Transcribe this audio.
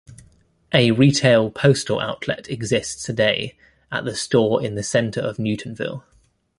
A retail postal outlet exists today at the store in the centre of Newtonville.